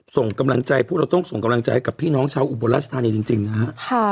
ส่งกำลังใจพวกเราต้องส่งกำลังใจกับพี่น้องชาวอุบลราชธานีจริงนะฮะ